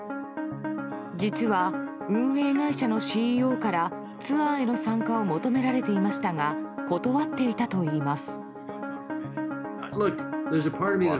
実は、運営会社のＣＥＯからツアーへの参加を求められていましたが断っていたといいます。